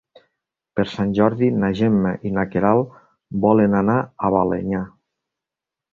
Per Sant Jordi na Gemma i na Queralt volen anar a Balenyà.